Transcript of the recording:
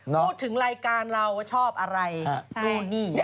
พูดถึงรายการเราชอบอะไรนู่นนี่